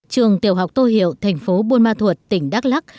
trường tiểu học tô hiệu thành phố buôn ma thuột tỉnh đắk lắc